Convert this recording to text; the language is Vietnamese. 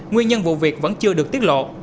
nguyên nhân vụ việc vẫn chưa được tiết lộ